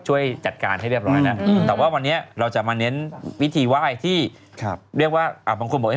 ช่วยจัดการให้เรียบร้อยนะแต่ว่าวันนี้เราจะมาเน้นวิธีไหว่ที่บางคนไม่ใช่คนจีนไม่เคยให้เขาไหว่หนึ่ย